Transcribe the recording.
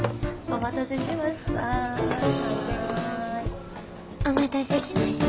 お待たせしました。